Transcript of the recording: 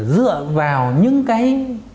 dựa vào những cái